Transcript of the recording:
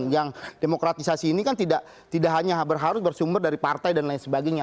yang demokratisasi ini kan tidak hanya harus bersumber dari partai dan lain sebagainya